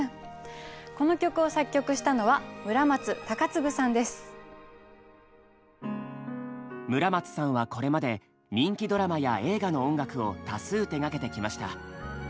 この曲を作曲したのは村松さんはこれまで人気ドラマや映画の音楽を多数手がけてきました。